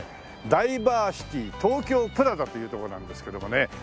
ダイバーシティ東京プラザというとこなんですけどもね。